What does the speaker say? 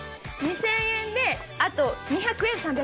２０００円で、あと２００円、３００円。